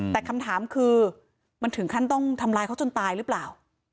แต่คำถามคือมันถึงขั้นต้องทำร้ายเขาจนตายหรือเปล่า